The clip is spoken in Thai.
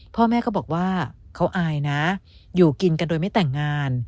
พ่อแม่ก็บอกว่าเขาอายนะอยู่กินกันโดยไม่แต่งงาน